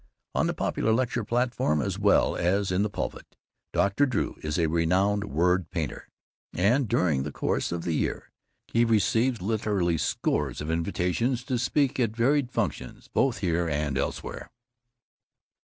On the popular lecture platform as well as in the pulpit Dr. Drew is a renowned word painter, and during the course of the year he receives literally scores of invitations to speak at varied functions both here and elsewhere.